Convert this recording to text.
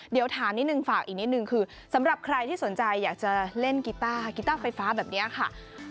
เดี๋ยวถามนิดนึงฝากอีกนิดนึงคือสำหรับใครที่สนใจอยากจะเล่นกีต้ากีต้าไฟฟ้าแบบนี้ค่ะ